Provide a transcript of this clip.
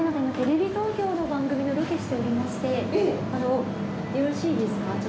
今テレビ東京の番組のロケしておりましてよろしいですか？